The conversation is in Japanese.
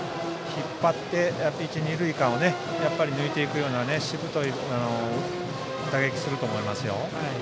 引っ張って一、二塁間を抜いていくようなしぶとい打撃をすると思います。